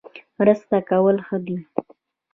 مرسته کول ښه دي